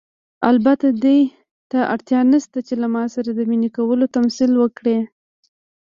البته دې ته اړتیا نشته چې له ما سره د مینې کولو تمثیل وکړئ.